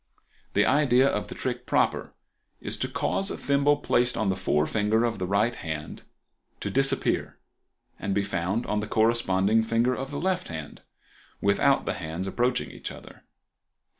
The idea of the trick proper is to cause a thimble placed on the forefinger of the right hand to disappear and be found on the corresponding finger of the left hand, without the hands approaching each other.